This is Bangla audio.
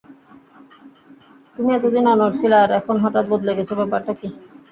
তুমি এতদিন অনড় ছিলে আর এখন হঠাৎ বদলে গেছ, ব্যাপারটা কী?